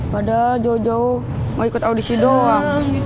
padahal jauh jauh mau ikut audisi doang